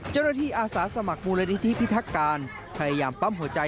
เจ้าหน้าที่อาสาสมัครบุรณฑิทธิพิธักาลพยายามเป้ามหัวใจ